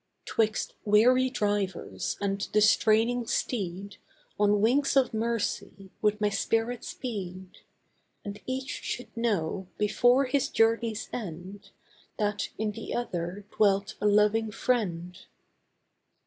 'Twixt weary driver and the straining steed On wings of mercy would my spirit speed. And each should know, before his journey's end, That in the other dwelt a loving friend.